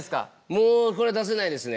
もうこれは出せないですね